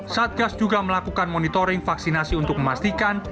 satgas juga melakukan monitoring vaksinasi untuk memastikan